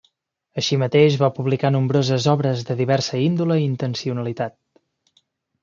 Així mateix, va publicar nombroses obres de diversa índole i intencionalitat.